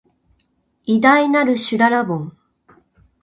偉大なる、しゅららぼん